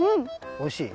おいしい？